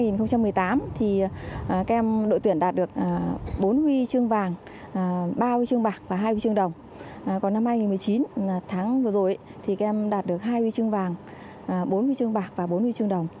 năm hai nghìn một mươi tám đội tuyển đạt được bốn huy